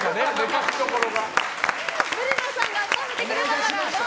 ぶるまさんが褒めてくれたから。